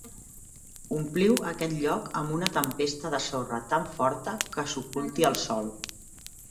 Ompliu aquest lloc amb una tempesta de sorra tan forta que s'oculti el sol.